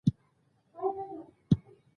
او هغه یې د خپلو اهدافو لپاره